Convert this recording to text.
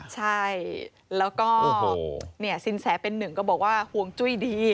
ใช่แล้วก็สินแสเป็นหนึ่งก็บอกว่าห่วงจุ้ยดี